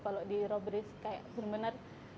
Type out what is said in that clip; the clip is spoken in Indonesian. kalau di robris kayak benar benar